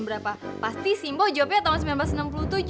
berapa pasti simbo jawabnya tahun seribu sembilan ratus enam puluh tujuh